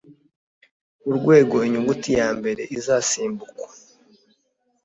urwego Inyuguti ya mbere izasimbukwa